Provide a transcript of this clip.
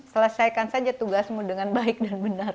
selesaikan saja tugasmu dengan baik dan benar